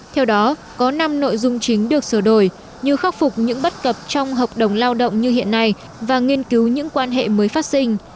theo đó có năm nội dung chính được sửa đổi như khắc phục những bất cập trong hợp đồng lao động như hiện nay và nghiên cứu những quan hệ mới phát sinh